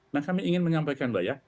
nah kami ingin menyampaikan mbak ya